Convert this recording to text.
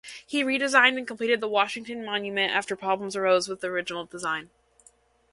He re-designed and completed the Washington Monument after problems arose with the original design.